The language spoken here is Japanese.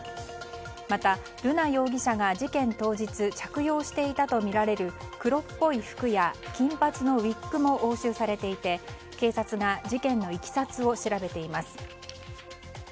また瑠奈容疑者が事件当日着用していたとみられる黒っぽい服や金髪のウィッグも押収されていて警察が事件のいきさつを調べています。